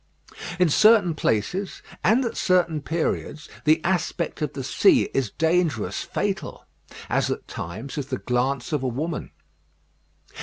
In certain places, and at certain periods, the aspect of the sea is dangerous fatal; as at times is the glance of a woman.